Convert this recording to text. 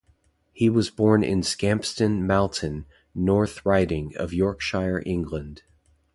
He was born in Scampston, Malton, North Riding of Yorkshire, England.